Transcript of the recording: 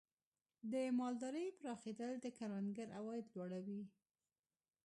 د مالدارۍ پراخېدل د کروندګر عواید لوړوي.